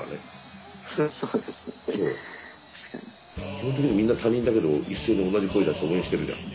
基本的にはみんな他人だけど一斉に同じ声出して応援してるじゃん。